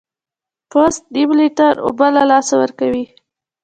پوست نیم لیټر اوبه له لاسه ورکوي.